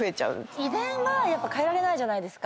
遺伝は変えられないじゃないですか。